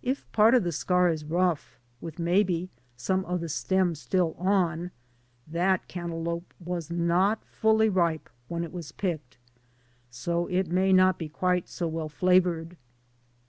If part of the scar is rough, with maybe some of the stem still on, that cantaloupe uas not fully ripe when it was picked. So it may not be quite so well flavored.